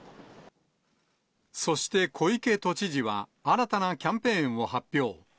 そして小池都知事は、新たなキャンペーンを発表。